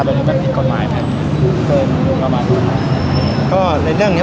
มันก็เป็นผิดกฎหมายไหมครับเพิ่มราคาอืมก็ในเรื่องเนี้ย